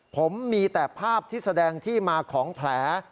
ผมมีแต่ภาพที่แสดงที่มาของแผล